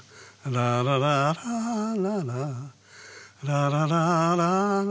ラララララララララララ。